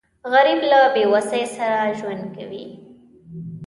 غریب له بېوسۍ سره ژوند کوي